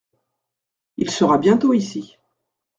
Il sera bientôt ici.